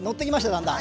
だんだん。